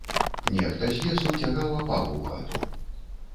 Нехта з лесу цягаў апал у хату.